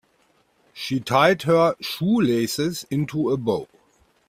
She tied her shoelaces into a bow.